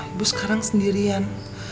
ibu sekarang sendirian